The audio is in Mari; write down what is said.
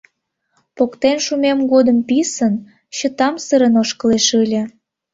Поктен шумем годым писын, чытамсырын ошкылеш ыле.